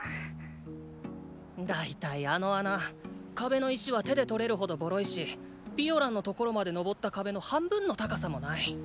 大体あの穴壁の石は手で取れるほどボロいしピオランの所まで登った壁の半分の高さもない！